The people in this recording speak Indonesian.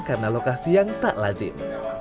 karena lokasi yang tak lazim